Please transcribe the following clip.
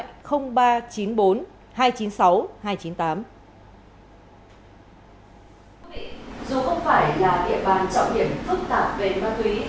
dù không phải là địa bàn trọng điểm phức tạp về ma túy